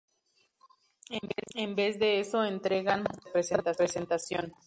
En vez de eso entregan "cartas de presentación".